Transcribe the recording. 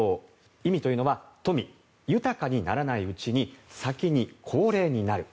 意味というのは富、豊かにならないうちに先に高齢になる。